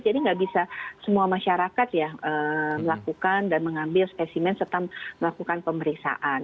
jadi nggak bisa semua masyarakat melakukan dan mengambil spesimen serta melakukan pemeriksaan